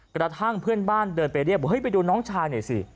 กระทั่งเพื่อนบ้านเดินไปเรียกบอกเฮ้ยไปดูน้องชายหน่อยสิ